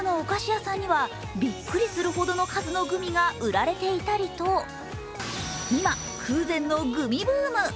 原宿のお菓子屋さんには、びっくりするほどの数のグミが売られていたりと、今、空前のグミブーム。